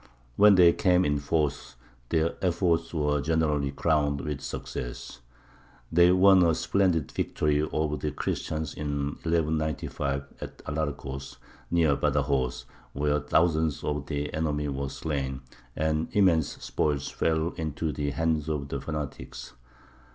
When they came in force their efforts were generally crowned with success. They won a splendid victory over the Christians in 1195 at Alarcos, near Badajoz, where thousands of the enemy were slain, and immense spoils fell into the hands of the fanatics.